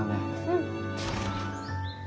・うん。